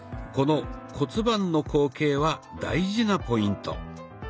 この骨盤の後傾は大事なポイント。